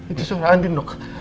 itu suara andin dok